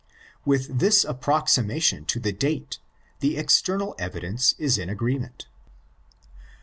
With this approximation to the date the external evidence is in agreement.